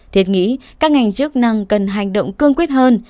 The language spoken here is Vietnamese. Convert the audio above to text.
thiệt nghĩ các ngành chức năng cần hành động cương quyết hơn